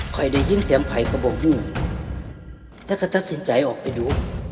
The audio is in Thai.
ค่อยได้ยินเสียงภัยก็บอกหูแล้วก็ตัดสินใจออกไปดู